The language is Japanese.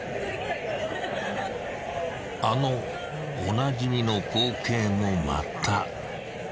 ［あのおなじみの光景もまた］